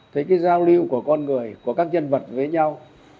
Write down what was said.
thấy cái giao lưu của con người của các nhân vật với nhau